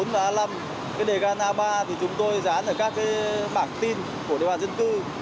cái đề can a ba thì chúng tôi dán ở các bảng tin của địa bàn dân cư